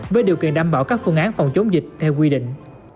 với điều kiện đảm bảo các phương án phòng chống dịch theo quy định